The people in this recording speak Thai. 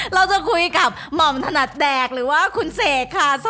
เราจะคุยกับหม่อมธนัดแดกหรือว่าคุณเสกค่ะสวัสดีค่ะ